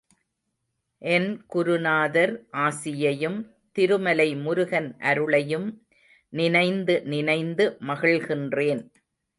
என் குருநாதர் ஆசியையும் திருமலை முருகன் அருளையும் நினைந்து நினைந்து மகிழ்கின்றேன்.